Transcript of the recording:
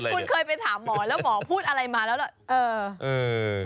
คุณเคยไปถามหมอแล้วหมอพูดอะไรมาแล้วเหรอ